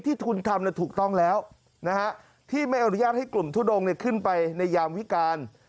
ทุนทำถูกต้องแล้วที่ไม่อนุญาตให้กลุ่มทุดงขึ้นไปในยามวิการ